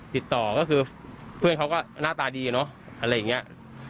ติดต่อก็คือเพื่อนเขาก็หน้าตาดีเนาะ